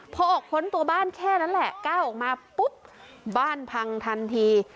พอออกพ้นตัวบ้านแค่นั้นแหละก้าวออกมาปุ๊บบ้านพังทันที